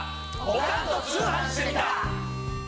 『おかんと通販してみた！』。